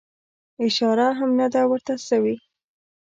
اشاره هم نه ده ورته سوې.